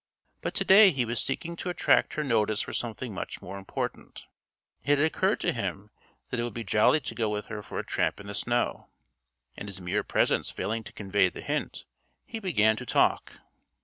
But to day he was seeking to attract her notice for something much more important. It had occurred to him that it would be jolly to go with her for a tramp in the snow. And his mere presence failing to convey the hint, he began to "talk."